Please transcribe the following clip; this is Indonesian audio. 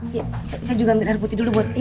saya juga ambil air putih dulu buat